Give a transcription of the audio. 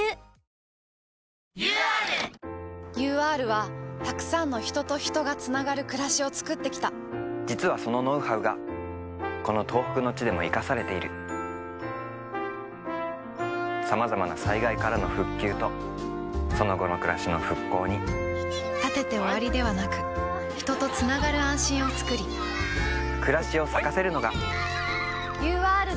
ＵＲＵＲはたくさんの人と人がつながるくらしをつくってきた実はそのノウハウがこの東北の地でも活かされているさまざまな災害からの「復旧」とその後のくらしの「復興」に建てて終わりではなく人とつながる安心をつくり“くらし”を咲かせるのがＵＲであーる